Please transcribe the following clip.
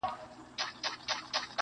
قاضي و ویله هیڅ پروا یې نسته,